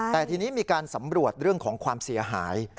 แต่ทีนี้มีการสำรวจเรื่องของความเสียหาย